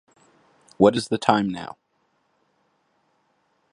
What is the time now?